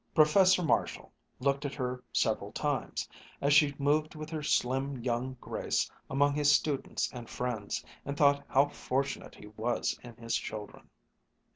Professor Marshall looked at her several times, as she moved with her slim young grace among his students and friends, and thought how fortunate he was in his children.